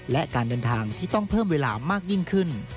และการเดินทางที่ต้องเพิ่มเวลามากยิ่งขึ้น